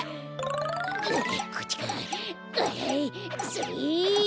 それ！